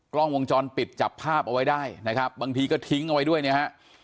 กล้องวงจรปิดจับภาพเอาไว้ได้นะครับบางทีก็ทิ้งเอาไว้ด้วยนะฮะ